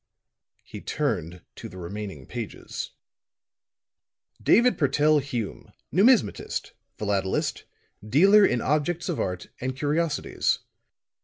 He turned to the remaining pages. "David Purtell Hume, Numismatist, philatelist, dealer in objects of art and curiosities.